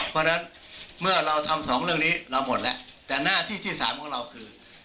เพราะฉะนั้นเมื่อเราทำสองเรื่องนี้เราหมดแล้วแต่หน้าที่ที่สามของเราคือ